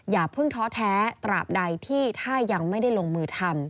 อย่าเพิ่งท้อแท้ตราบใดที่ถ้ายังไม่ได้ลงมือทำ